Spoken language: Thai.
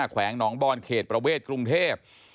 แวงหนองบอลเขตประเวทกรุงเทพ